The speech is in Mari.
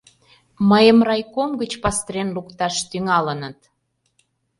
Мыйым райком гыч пастырен лукташ тӱҥалыныт!